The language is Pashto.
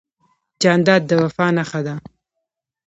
جانداد د وفا نښه ده.